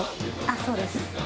そうです。